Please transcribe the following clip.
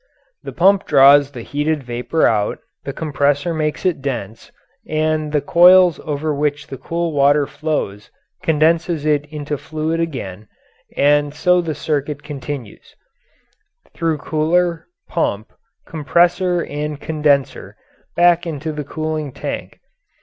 The pump draws the heated vapour out, the compressor makes it dense, and the coils over which the cool water flows condenses it into fluid again, and so the circuit continues through cooler, pump, compressor, and condenser, back into the cooling tank.